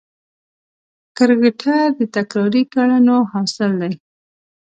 کرکټر د تکراري کړنو حاصل دی.